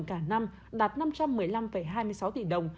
cả năm đạt năm trăm một mươi năm hai mươi sáu tỷ đồng